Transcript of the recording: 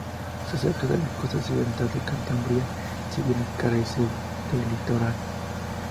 Está cerca de la costa occidental de Cantabria, si bien carece de litoral.